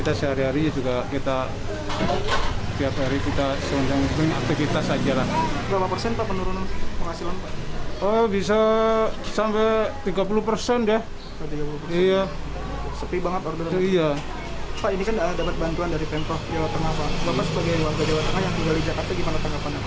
terima kasih bapak sebagai warga jawa tengah yang tinggal di jakarta gimana tanggapannya